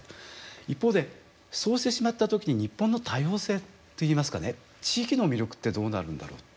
一方でそうしてしまった時に日本の多様性といいますかね地域の魅力ってどうなるんだろう。